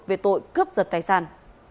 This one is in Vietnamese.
về tội cướp giật tài sản